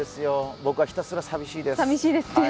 僕はひたすらさみしいです。